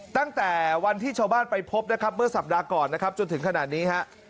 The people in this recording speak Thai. ตั้งแต่วันที่ชาวบ้านไปพบนะครับเมื่อสัปดาห์ก่อนนะครับจนถึงขนาดนี้ฮะ